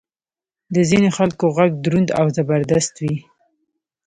د ځینې خلکو ږغ دروند او زبردست وي.